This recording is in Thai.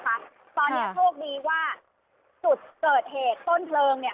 ตอนนี้โชคดีว่าจุดเกิดเหตุต้นเพลิงเนี่ย